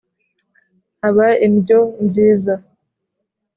haba indyo nziza!”